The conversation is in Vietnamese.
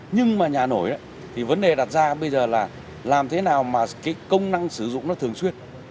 nhưng mà nhà nổi thì vấn đề đặt ra bây giờ là làm thế nào mà cái công năng sử dụng nó thường xuyên